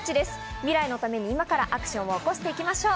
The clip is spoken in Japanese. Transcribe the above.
未来のために今からアクションを起こしていきましょう。